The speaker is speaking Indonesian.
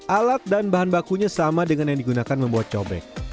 alat dan bahan bakunya sama dengan yang digunakan membuat cobek